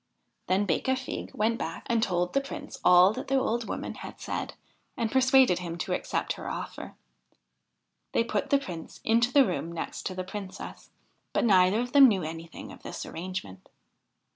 Then Becafigue went back and told the Prince all that the old woman had said and persuaded him to accept her offer. They put the Prince into the room next to the Princess, but neither of them knew anything of this arrangement.